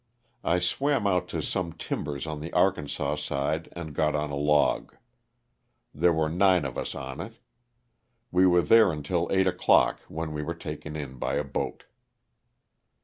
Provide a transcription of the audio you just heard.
I swam out to some timbers on the Arkansas side and got on a log. There were nine of us on it. We were there until eight o'clock when we were taken in by a boat.